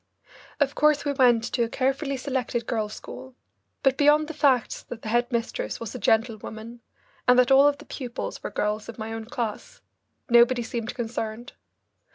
Of course we went to a carefully selected girls' school, but beyond the facts that the head mistress was a gentlewoman and that all the pupils were girls of my own class, nobody seemed concerned.